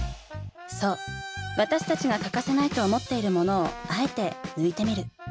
そう私たちが欠かせないと思っているものをあえて抜いてみる。